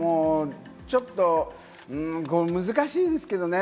ちょっと難しいですけれどもね。